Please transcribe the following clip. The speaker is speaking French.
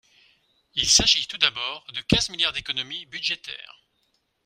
Il s’agit tout d’abord de quinze milliards d’économies budgétaires.